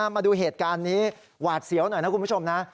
มาดูเหตุการณ์นี้หวาดเสียวหน่อยนะคุณผู้ชมนะ